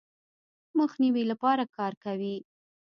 مخنیوي لپاره کار کوي.